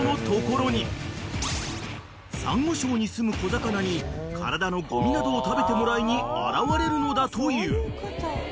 ［サンゴ礁にすむ小魚に体のごみなどを食べてもらいに現れるのだという］